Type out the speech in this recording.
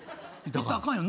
いったらあかんよ。